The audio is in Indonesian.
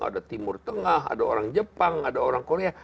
ada timur tengah ada orang jepang ada orang korea